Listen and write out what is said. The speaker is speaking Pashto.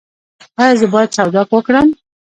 ایا زه باید سودا وکړم؟